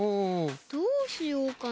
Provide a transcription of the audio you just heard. どうしようかな？